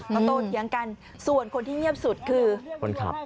เขาโตเถียงกันส่วนคนที่เงียบสุดคือคนขับ